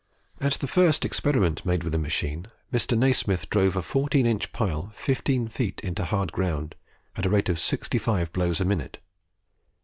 At the first experiment made with the machine, Mr. Nasmyth drove a 14 inch pile fifteen feet into hard ground at the rate of 65 blows a minute.